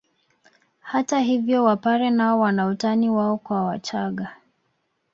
Hata hivyo wapare nao wana utani wao kwa wachaga